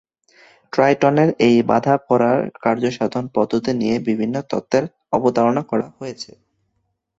ট্রাইটনের এই বাঁধা পড়ার কার্যসাধন-পদ্ধতি নিয়ে বিভিন্ন তত্ত্বের অবতারণা করা হয়েছে।